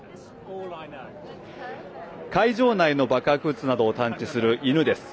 会場内の爆発物などを探知する犬です。